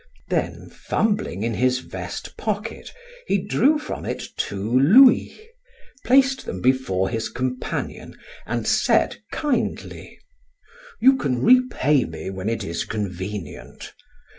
Then, fumbling in his vest pocket, he drew from it two louis, placed them before his companion, and said kindly: "You can repay me when it is convenient.